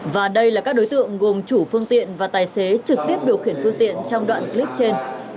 và đây là các đối tượng gồm chủ phương tiện và tài xế trực tiếp điều khiển phương tiện trong đoạn clip trên